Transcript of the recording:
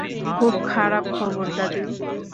খুব খারাপ খবর দাদী।